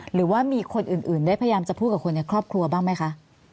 หรือว่ามีคนอื่นได้พยายามจะพูดกับคนในครอบครัวบ้างไหมคะ